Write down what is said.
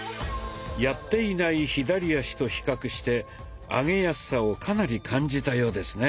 やっていない左足と比較して上げやすさをかなり感じたようですね。